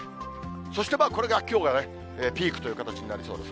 そしてまあ、これがきょうはね、ピークという形になりそうです。